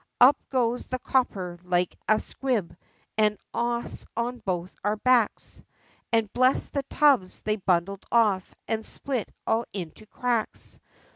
Up goes the copper like a squib, and us on both our backs, And bless the tubs, they bundled off, and split all into cracks.